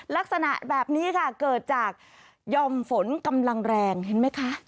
ลักษณะแบบนี้ค่ะเกิดจากหย่อมฝนกำลังแรงเห็นไหมคะ